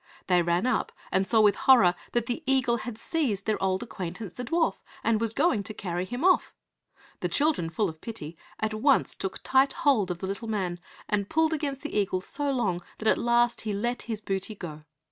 They ran up and saw with horror that the eagle had seized their old acquaintance the dwarf, and was going to carry him off. The children, full of pity, at once took tight hold of the little man, and pulled against the eagle so long that at last he let his booty go.